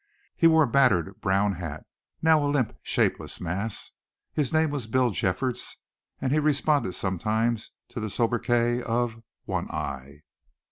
He wore a battered brown hat, now a limp shapeless mass. His name was Bill Jeffords and he responded sometimes to the sobriquet of "One Eye."